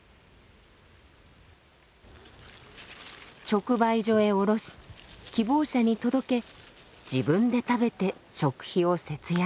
直売所へ卸し希望者に届け自分で食べて食費を節約し。